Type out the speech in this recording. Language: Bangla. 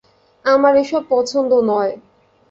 আমার এসব পছন্দ নয়।